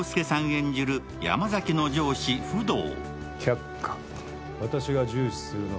演じる山崎の上司・不動。